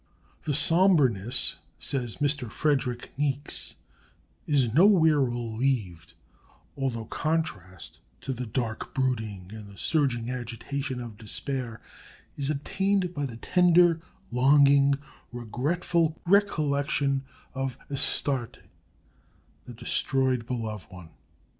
'" "The sombreness," says Mr. Frederick Niecks, "is nowhere relieved, although contrast to the dark brooding and the surging agitation of despair is obtained by the tender, longing, regretful recollection of Astarte, the destroyed beloved one.